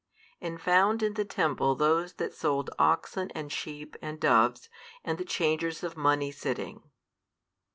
14 And found in the temple those that sold oxen and sheep and doves, and the changers of money sitting.